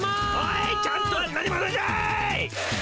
愛ちゃんとは何者じゃい。